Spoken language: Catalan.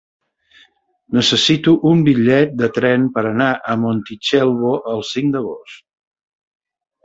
Necessito un bitllet de tren per anar a Montitxelvo el cinc d'agost.